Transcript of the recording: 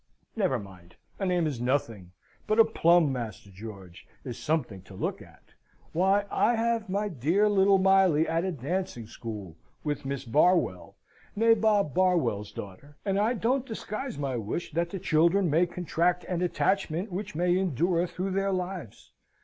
Never mind. A name is nothing; but a plumb, Master George, is something to look at! Why, I have my dear little Miley at a dancing school with Miss Barwell, Nabob Barwell's daughter, and I don't disguise my wish that the children may contract an attachment which may endure through their lives!